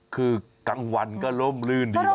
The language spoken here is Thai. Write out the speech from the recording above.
คือกลางวันก็ร่มรื่นดีหรอก